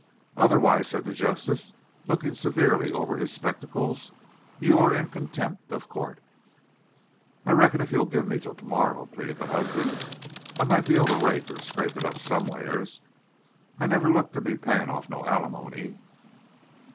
"Otherwise," said the Justice, looking severely over his spectacles, "you air in contempt of co't." "I reckon if you gimme till to morrow," pleaded the husband, "I mout be able to rake or scrape it up somewhars. I never looked for to be a payin' no ali money."